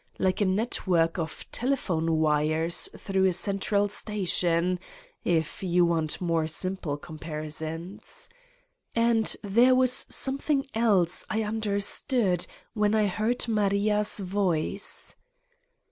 . like a network of telephone 93 Satan's Diary wires through a central station, if you want more simple comparisons. And there was some thing else I understood when I heard Maria's voice.